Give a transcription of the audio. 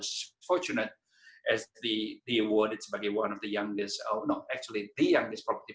beruntung sebagai salah satu pembayaran yang paling muda oh tidak sebenarnya pembayaran yang paling muda